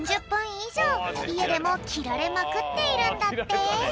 いじょういえでもきられまくっているんだって。